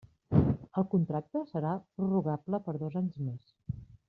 El contracte serà prorrogable per dos anys més.